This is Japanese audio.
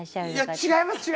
違います。